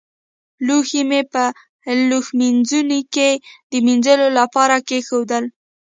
لوښي مې په لوښمینځوني کې د مينځلو لپاره کېښودل.